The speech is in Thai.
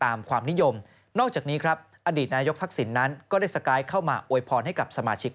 ไม่ว่าจะโดยการแต่งตั้งเลือกตั้งอะไรก็ได้